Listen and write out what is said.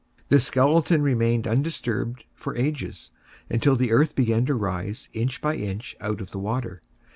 This skeleton remained undisturbed for ages, until the earth began to rise inch by inch out of the water.